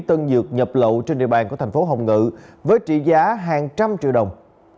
tân dược nhập lậu trên địa bàn của thành phố hồng ngự với trị giá hàng trăm triệu đồng